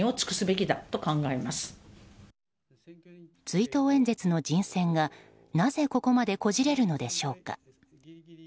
追悼演説の人選がなぜここまでこじれるのでしょうか？